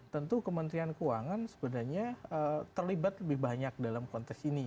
tentu kementerian keuangan sebenarnya terlibat lebih banyak dalam konteks ini